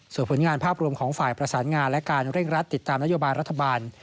ส่วนผลงานภาพรวมของฝ่ายประสานงานและการเร่งรัดติดตามนโยบายรัฐบาล